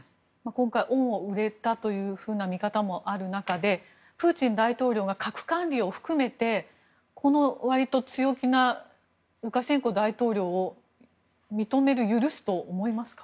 今回は恩を売れたというふうな見方もある中プーチン大統領が核管理を含めてこの割と強気なルカシェンコ大統領を認める、許すと思いますか。